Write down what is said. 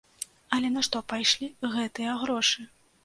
Але на што пайшлі гэтыя грошы?